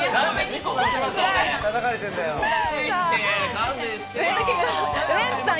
勘弁してよ。